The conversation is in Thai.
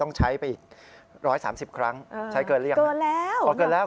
ต้องใช้ไปอีกร้อยสามสิบครั้งใช้เกินเรียงแล้วเกินแล้ว